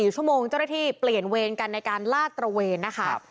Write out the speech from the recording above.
๔ชั่วโมงเจ้าหน้าที่เปลี่ยนเวรกันในการลาดตระเวนนะคะ